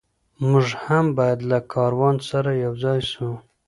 موږ هم باید له کاروان سره یو ځای سو.